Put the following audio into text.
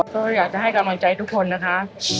ก็อยากจะให้กำลังใจทุกคนนะคะ